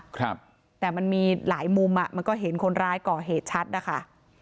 ครับแต่มันมีหลายมุมอ่ะมันก็เห็นคนร้ายก่อเหตุชัดนะคะ